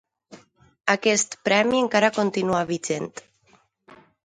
Aquest premi encara continua vigent.